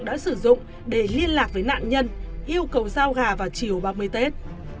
đã sử dụng để liên lạc với nạn nhân yêu cầu giao gà vào chiều ba mươi tết